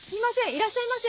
いらっしゃいませ。